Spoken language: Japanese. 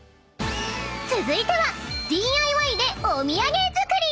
［続いてはＤＩＹでお土産作り！］